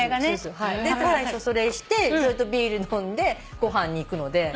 最初それしてそれとビール飲んでご飯にいくので。